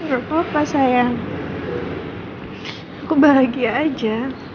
gak apa apa sayang aku bahagia aja